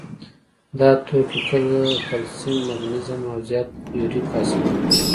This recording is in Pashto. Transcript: دا توکي کله کلسیم، مګنیزیم او زیات یوریک اسید وي.